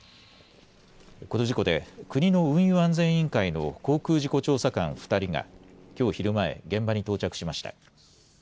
この事故で国の運輸安全委員会の航空事故調査官２人がきょう昼前、現場に到着しました。